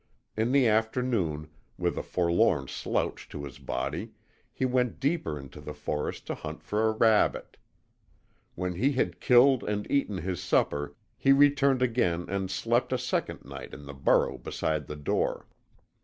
In the afternoon, with a forlorn slouch to his body, he went deeper into the forest to hunt for a rabbit. When he had killed and eaten his supper he returned again and slept a second night in the burrow beside the door.